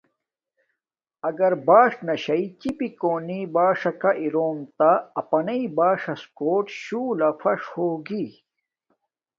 نو اگر باݽ ناشݵ چپی کونی باݽکا اروم تہ اپانیݵ باݽݽ کوٹ شولہ فݽ ہوگی۔